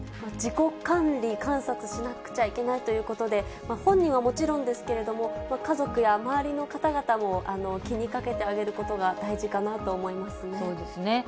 自己管理、観察しなくちゃいけないということで、本人はもちろんですけれども、家族や周りの方々も気にかけてあげることが大事かなと思いますね。